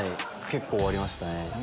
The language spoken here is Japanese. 結構ありましたね。